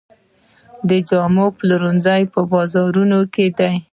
د جامو پلورنځي په بازارونو کې دي